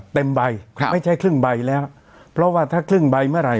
เต็มใบครับไม่ใช่ครึ่งใบแล้วเพราะว่าถ้าครึ่งใบเมื่อไหร